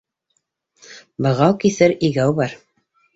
Бығау киҫер игәү бар.